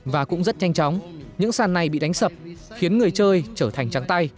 và cũng rất nhanh chóng những sàn này bị đánh sập khiến người chơi trở thành trắng tay